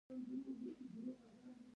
د ګرګين په لښکر کې سرې لمبې را وګرځېدې.